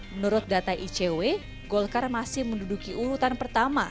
menurut data icw golkar masih menduduki urutan pertama